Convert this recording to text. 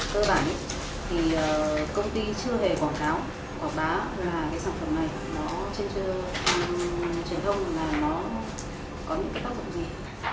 cơ bản thì công ty chưa hề quảng cáo quảng bá là cái sản phẩm này nó trên truyền thông là nó có những cái tác dụng gì